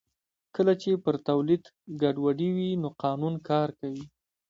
کله چې پر تولید ګډوډي وي نو قانون کار کوي